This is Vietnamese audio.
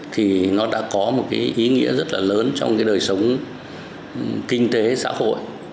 thì nó đã có một cái ý nghĩa rất là lớn trong cái đời sống kinh tế xã hội